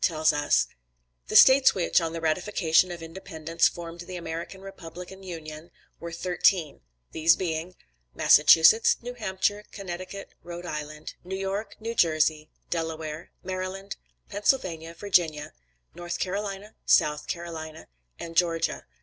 ] tells us "The States which, on the ratification of independence, formed the American Republican Union, were thirteen, viz.: "Massachusetts, New Hampshire, Connecticut, Rhode Island, New York, New Jersey, Delaware, Maryland, Pennsylvania, Virginia, North Carolina, South Carolina, and Georgia."